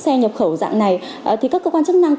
xe nhập khẩu dạng này thì các cơ quan chức năng